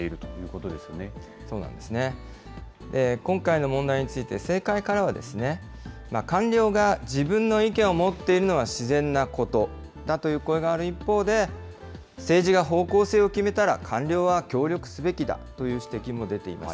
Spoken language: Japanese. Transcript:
今回の問題について、政界からは、官僚が自分の意見を持っているのは自然なことだという声がある一方で、政治が方向性を決めたら、官僚は協力すべきだという指摘も出ています。